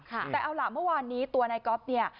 แต่เอาล่ะเมื่อวานนี้ตัวนายก๊อฟเนี่ย